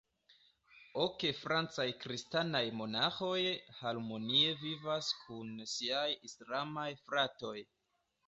Ok francaj kristanaj monaĥoj harmonie vivas kun siaj islamaj fratoj.